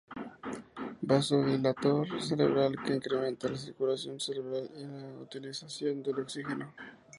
Vasodilatador cerebral que incrementa la circulación cerebral y la utilización de oxígeno.